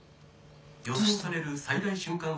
「予想される最大瞬間